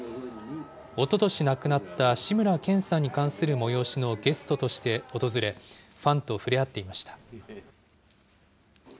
おととし亡くなった志村けんさんに関する催しのゲストとして訪れ、ファンと触れ合っていました。